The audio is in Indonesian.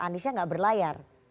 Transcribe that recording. aniesnya enggak berlayar